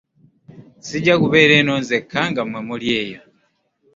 Ssijja kubeera eno nzekka nga mmwe muli eyo.